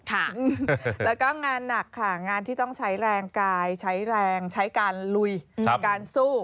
แล้วก็งานหนักค่ะงานที่ต้องใช้แรงกายใช้แรงใช้การลุยการสู้